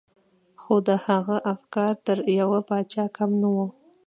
خو د هغه افکار تر يوه پاچا کم نه وو.